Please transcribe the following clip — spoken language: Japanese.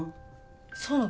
そうなの？